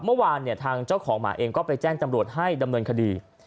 เมื่อวานเนี่ยทางเจ้าของหมาเองก็ไปแจ้งตำรวจให้ดำเนินคดี